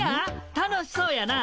楽しそうやなあ。